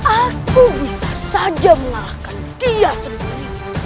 aku bisa saja mengalahkan dia sebenarnya